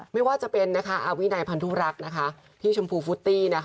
ไม่ว่าจะเป็นอาวินัยพันธุรักษ์พี่ชมพูฟุตตี้